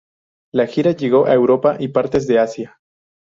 La gira llegó a Europa y partes de Asia.